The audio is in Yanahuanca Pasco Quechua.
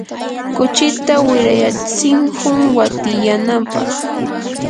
kuchita wirayatsishun watyanapaq.